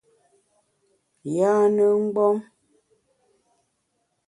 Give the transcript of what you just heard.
Yâne mgbom !